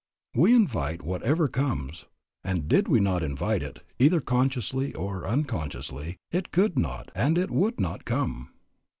We invite whatever comes, and did we not invite it, either consciously or unconsciously, it could not and it would not come.